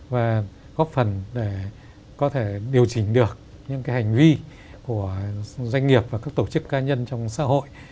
và góp phần để có thể điều chỉnh được những cái hành vi của doanh nghiệp và các tổ chức ca nhân trong xã hội